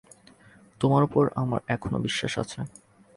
তোমার উপর আমার এখনও বিশ্বাস আছে।